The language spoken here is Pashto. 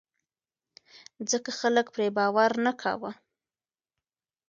ځکه خلک پرې باور نه کاوه.